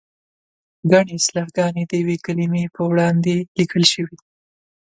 ګڼې اصطلاحګانې د یوې کلمې په وړاندې لیکل شوې دي.